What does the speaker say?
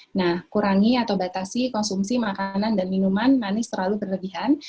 kementerian kesehatan meyakinkan konsumsi makanan dan minuman manis terlalu berlebihan